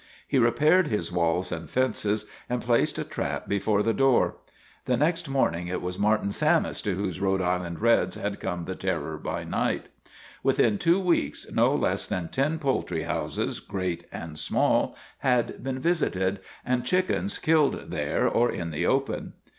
He repaired his walls and fences and placed a trap be fore the door. The next morning it was Martin Sammis to whose Rhode Island Reds had come the terror by night. Within two weeks no less than ten poultry houses, great and small, had been visited, and chickens killed there or in the open.